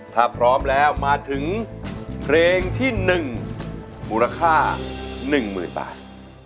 ถ้าพร้อมแล้วมาถึงเพลงที่๑มูลค่า๑๐๐๐บาท